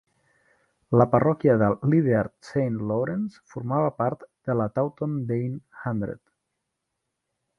La parròquia de Lydeard Saint Lawrence formava part de la Taunton Deane Hundred.